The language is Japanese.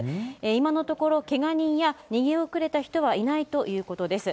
今のところけが人や逃げ遅れた人はいないということです。